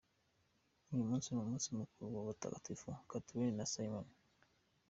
Uyu munsi ni umunsi mukuru w’abatagatifu: Catheline na Simon.